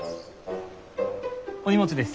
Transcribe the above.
お荷物です。